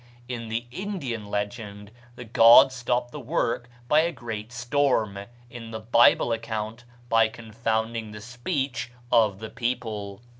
In the Indian legend the gods stop the work by a great storm, in the Bible account by confounding the speech of the people.